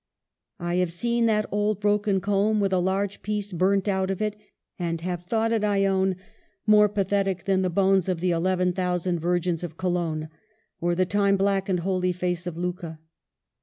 I have seen that old, broken comb, with a large piece burned out of it ; and have thought it, I own, more pathetic than the bones of the eleven thousand virgins at Cologne, or the time blackened Holy Face of Lucca.